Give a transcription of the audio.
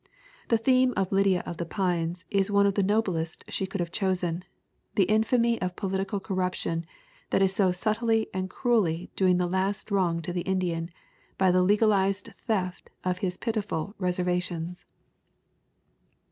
The theme of Lydia of the Pines is one of the noblest she could have chosen the infamy of political corruption that is so subtly and cruelly doing the last wrong to the Indian by the legalized theft of his pitiful 'reservations.'